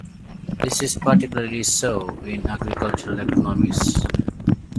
This is particularly so in agricultural economies.